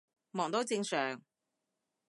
忙都正常